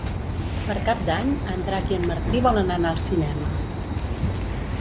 Per Cap d'Any en Drac i en Martí volen anar al cinema.